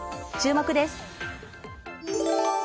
注目です。